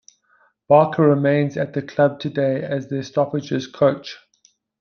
Barker remains at the club today as their stoppages coach.